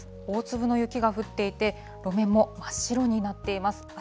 大粒の雪が降っていて、路面も真っ白になっています。